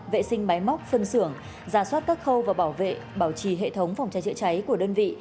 vệ sinh máy móc phân xưởng giả soát các khâu và bảo vệ bảo trì hệ thống phòng cháy chữa cháy của đơn vị